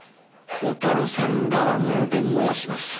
鋼太郎さん側の弁護をします。